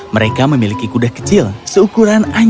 mereka memiliki kuda kecil seukuran dua meter